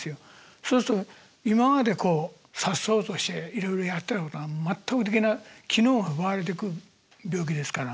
そうすると今までさっそうとしていろいろやってたことが全くできない機能が奪われてく病気ですから。